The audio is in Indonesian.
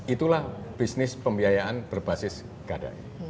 itulah bisnis pembiayaan berbasis gadai